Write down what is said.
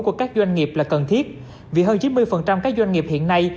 của các doanh nghiệp là cần thiết vì hơn chín mươi các doanh nghiệp hiện nay